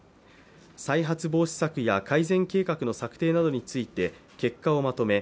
再発防止策や改善計画の策定などについて結果をまとめ